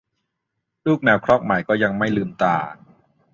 ลูกแมวครอกใหม่ก็ยังไม่ลืมตา